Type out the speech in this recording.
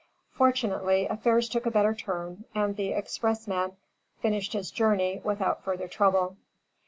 Fortunately affairs took a better turn and the expressman finished his journey without further trouble.